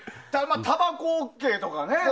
たばこＯＫとかね。